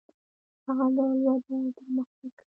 هغه ډول وده او پرمختګ کوي.